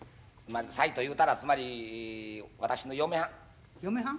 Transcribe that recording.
妻というたらつまり私の嫁はん。